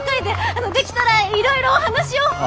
できたらいろいろお話を。